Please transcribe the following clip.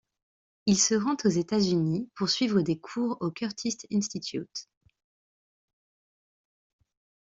Il se rend aux États-Unis pour suivre des cours au Curtis Institute.